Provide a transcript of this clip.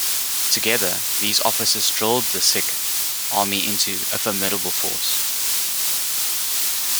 Together, these officers drilled the Sikh army into a formidable force.